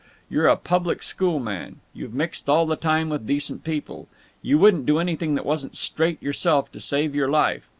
You're a public school man. You've mixed all the time with decent people. You wouldn't do anything that wasn't straight yourself to save your life.